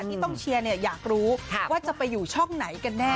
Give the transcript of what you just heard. ที่ต้องเชียร์อยากรู้ว่าจะไปอยู่ช่องไหนกันแน่